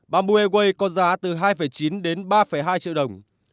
bamboo airways có giá từ hai chín đến ba hai triệu đồng